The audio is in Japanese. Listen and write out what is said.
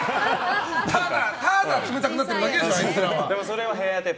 ただ冷たくなってるだけですよ。